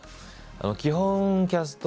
基本キャスト